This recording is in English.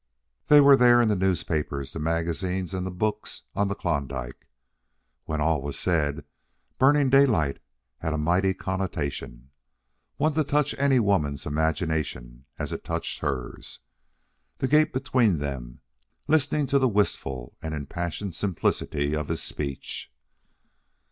They were there in the newspapers, the magazines, and the books on the Klondike. When all was said, Burning Daylight had a mighty connotation one to touch any woman's imagination, as it touched hers, the gate between them, listening to the wistful and impassioned simplicity of his speech.